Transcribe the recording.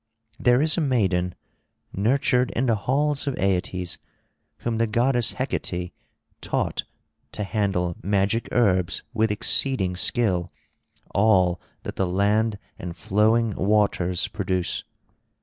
There is a maiden, nurtured in the halls of Aeetes, whom the goddess Hecate taught to handle magic herbs with exceeding skill all that the land and flowing waters produce.